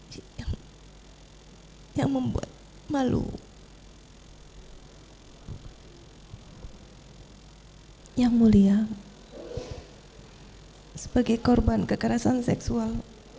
yang membuat malu yang mulia sebagai korban kekerasan seksual